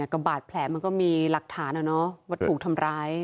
ก็บาดแผลมันก็มีหลักฐานว่าถูกทำร้าย